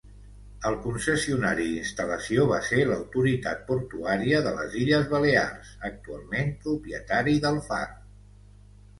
El concessionari d'instal·lació va ser l'autoritat portuària de les Illes Balears, actualment propietari del far.